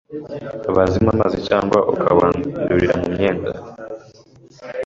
bizamo amazi cyangwa ukabwandurira mu myenda